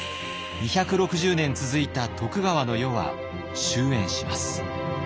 ２６０年続いた徳川の世は終えんします。